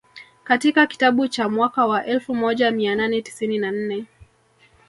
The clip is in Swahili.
Katika kitabu cha mwaka wa elfu moja mia nane tisini na nne